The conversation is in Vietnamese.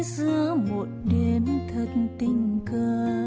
giữa một đêm thật tình cờ